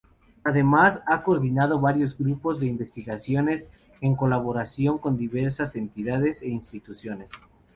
Además, ha coordinado varios grupos de investigación en colaboración con diversas entidades e instituciones.